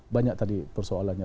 banyak tadi persoalannya